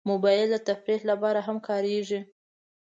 موبایل د تفریح لپاره هم کارېږي.